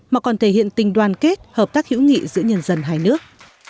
mà còn thể hiện tình đoàn kết hợp tác hữu nghị giữa nhân dân hai nước